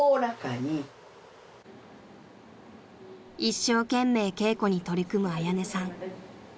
［一生懸命稽古に取り組む彩音さん］